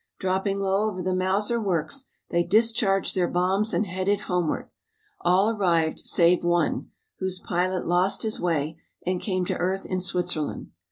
Dropping low over the Mauser works they discharged their bombs and headed homeward. All arrived, save one, whose pilot lost his way and came to earth in Switzerland.